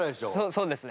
そうですね。